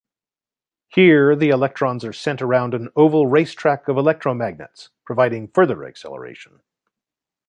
Here, the electrons are sent around an oval racetrack of electromagnets, providing further acceleration.